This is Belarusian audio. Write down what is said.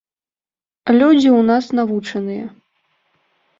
Людзі ў нас навучаныя.